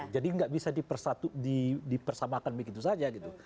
jadi nggak bisa dipersamakan begitu saja gitu